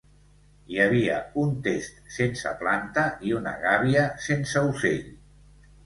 Hi havia un test sense planta i una gàbia sense ocell